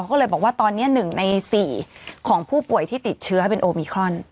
ก็เลยบอกว่าตอนนี้๑ใน๔ของผู้ป่วยที่ติดเชื้อเป็นโอมิครอน